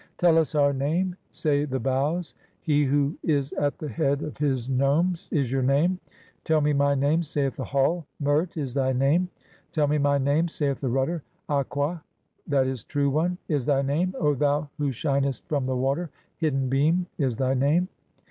"Tell us our name," say the Bows ; "He who is at the head "of his nomes" (24) is your name. "Tell me my name," saith the Hull ; "Mert" is thy name. "Tell me my name," saith the Rudder ; "Aqa" (z. e., true "one) is thy name, O thou who shinest from the water, (25) "hidden beam(?) is thy name.